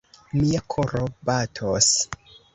Mia koro batos!